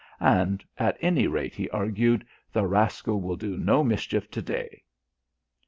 "And at any rate," he argued, "the rascal will do no mischief to day."